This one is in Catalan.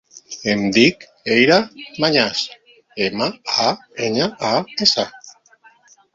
Em dic Eyra Mañas: ema, a, enya, a, essa.